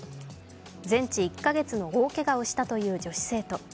全治１か月の大けがをしたという女子生徒。